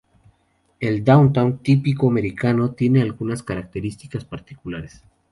El "downtown" típico americano tiene algunas características particulares.